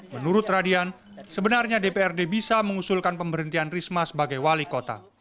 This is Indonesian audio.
menurut radian sebenarnya dprd bisa mengusulkan pemberhentian risma sebagai wali kota